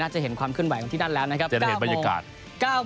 น่าจะเห็นความขึ้นไหวของที่ด้านแล้วนะครับ